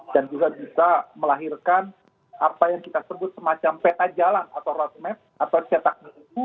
dan juga bisa melahirkan apa yang kita sebut semacam peta jalan atau roadmap atau cetak nu